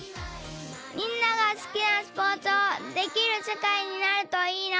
みんながすきなスポーツをできるせかいになるといいな